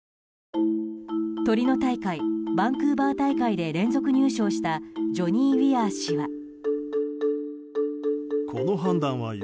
トリノ大会、バンクーバー大会で連続入賞したジョニー・ウィアー氏は。